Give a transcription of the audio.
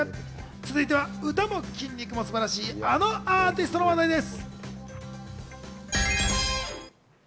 続いては歌も筋肉も素晴らしいあのアーティストの話題です。